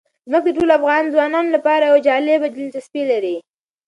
ځمکه د ټولو افغان ځوانانو لپاره یوه جالبه دلچسپي لري.